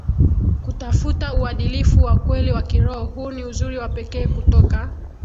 kutafuta uadilifu wa kweli wa kiroho Huu ni uzuri wa pekee kutoka